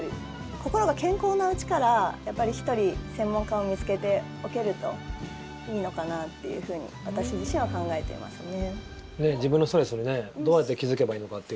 心が健康なうちから、やっぱり１人、専門家を見つけておけるといいのかなっていうふうに私自身は考えてますね。